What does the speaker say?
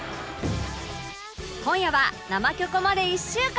今夜は「生キョコ」まで１週間！